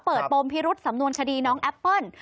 ปมพิรุษสำนวนคดีน้องแอปเปิ้ล